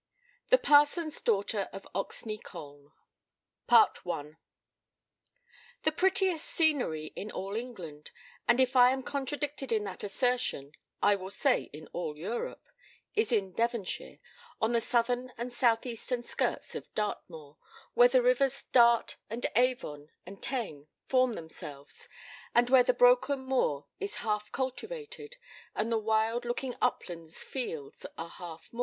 THE PARSON'S DAUGHTER OF OXNEY COLNE By Anthony Trollope (London Review, 2 March 1861) The prettiest scenery in all England and if I am contradicted in that assertion, I will say in all Europe is in Devonshire, on the southern and southeastern skirts of Dartmoor, where the rivers Dart and Avon and Teign form themselves, and where the broken moor is half cultivated, and the wild looking uplands fields are half moor.